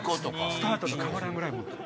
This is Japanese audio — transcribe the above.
スタートと変わらんぐらい持ってる。